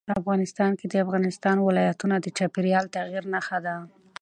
افغانستان کې د افغانستان ولايتونه د چاپېریال د تغیر نښه ده.